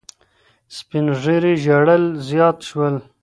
سپین ږیري ژړل زیات شول.